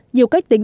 nhiều cách tính